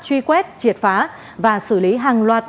truy quét triệt phá và xử lý hàng loạt